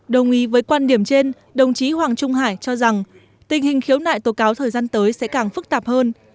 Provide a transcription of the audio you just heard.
đồng ý với quan điểm trên đồng chí hoàng trung hải cho rằng tình hình khiếu nại tố cáo thời gian tới sẽ càng phức tạp hơn